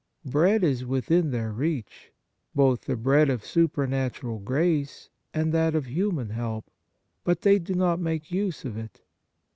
Bread is within their reach, both the bread of supernatural grace and that of human help, but they do not make use of it.